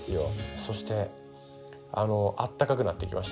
そしてあったかくなってきました